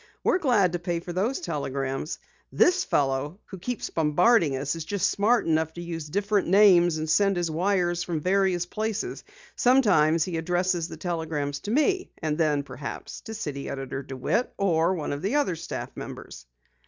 We're glad to pay for these telegrams. This fellow who keeps bombarding us is just smart enough to use different names and send his wires from various places. Sometimes he addresses the telegrams to me, and then perhaps to City Editor DeWitt or one of the other staff members."